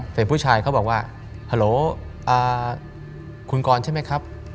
แต่ผู้ชายเขาบอกว่าฮัลโหลคุณกรใช่ไหมครับ